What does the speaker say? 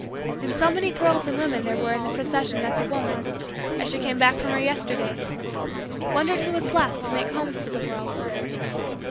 And so many girls and women there were in the procession that the woman, as she came back from her Yesterdays, wondered who was left to make homes for the world.